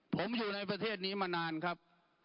ผมอยู่ในประเทศนี้มานานครับ